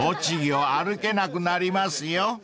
［栃木を歩けなくなりますよ］